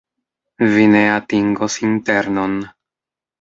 Vi ne atingos internon.